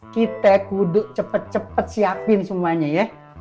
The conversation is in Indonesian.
kita kuduk cepet cepet siapin semuanya ya